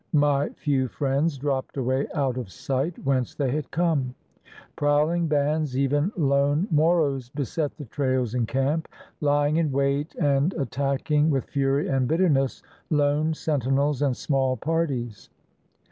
My few friends dropped away out of sight, whence they had come. Prowling bands, even lone Moros, beset the trails and camp, lying in wait and at 545 ISLANDS OF THE PACIFIC tacking with fury and bitterness lone sentinels and small parties.